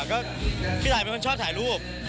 ก็พี่ตายเป็นคนชอบถ่ายรูป